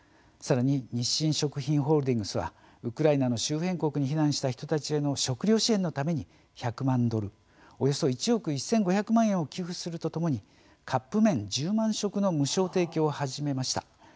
さらに日清食品ホールディングスはウクライナの周辺国に避難した人たちへの食料支援のために、１００万ドルおよそ１億１５００万円を寄付するとともにカップ麺１０万食の無償提供を始めました。